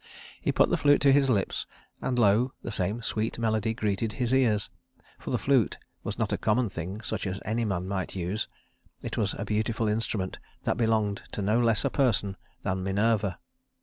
He put the flute to his lips, and lo, the same sweet melody greeted his ears, for the flute was not a common thing such as any man might use it was a beautiful instrument that belonged to no less a person than Minerva.